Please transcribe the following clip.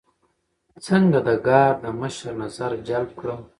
څنګه د ګارد د مشر نظر جلب کړم.